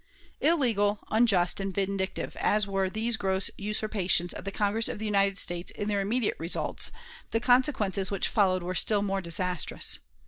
Illegal, unjust, and vindictive as were these gross usurpations of the Congress of the United States in their immediate results, the consequences which followed were still more disastrous.